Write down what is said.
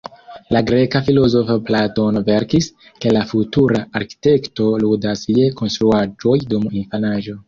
La greka filozofo Platono verkis, ke la futura arkitekto ludas je konstruaĵoj dum infanaĝo.